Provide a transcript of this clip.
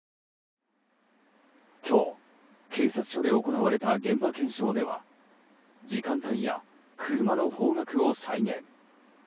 今日、警察署で行われた現場検証では時間帯や車の方角を再現。